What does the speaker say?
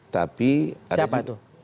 tapi siapa itu